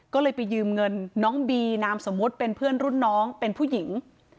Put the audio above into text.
ก็เลยไปยืมเงินน้องบีนามสมมุติเป็นเพื่อนรุ่นน้องเป็นผู้หญิง